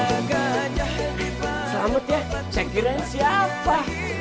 selamat ya cek kirain siapa